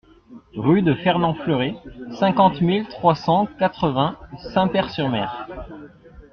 Rue de Fernand Fleuret, cinquante mille trois cent quatre-vingts Saint-Pair-sur-Mer